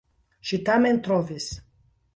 Ŝi tamen trovis!